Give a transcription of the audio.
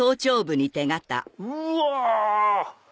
うわ！